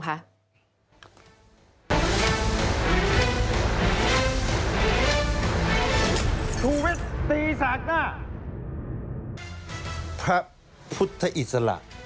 พระพุทธอิสละ